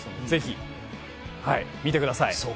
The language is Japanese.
ぜひ見てください。